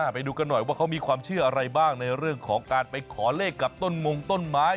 ไปดูกันหน่อยว่าเขามีความเชื่ออะไรบ้างในเรื่องของการไปขอเลขกับต้นมงต้นไม้